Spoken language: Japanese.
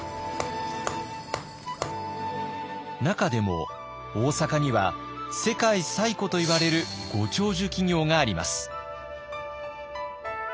中でも大阪には世界最古といわれるご長寿企業があります。